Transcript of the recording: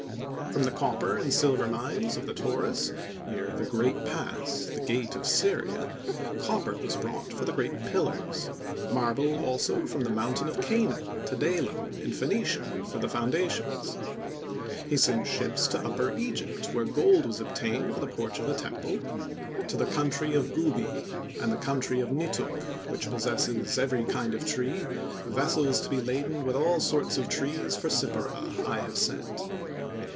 From the copper and silver mines of the Taurus, near "the great pass," "the gate of Syria," copper was brought for the great pillars. Marble also from the "Mountain of Canaan," (Tidalum), in Phœnicia, for the foundations. He sent ships to upper Egypt, where gold was obtained for the porch of the temple. "To the country of Gubi and to the country of Nituk which possesses every kind of tree, vessels to be laden with all sorts of trees for Sippara I have sent."